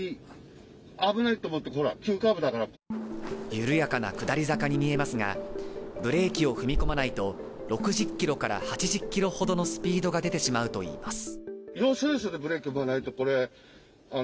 緩やかな下り坂に見えますが、ブレーキを踏み込まないと６０キロから８０キロほどのスピードが出てしまうといいます。